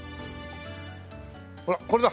ほらこれだ！